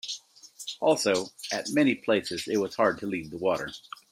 Also, at many places it was hard to leave the water.